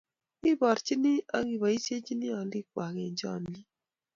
Iborjin ak koboisiechin olikwak eng chomyiet